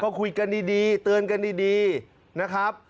ก็คุยกันดีเตือนกันดีนะครับ